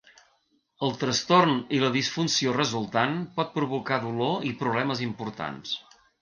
El trastorn i la disfunció resultant pot provocar dolor i problemes importants.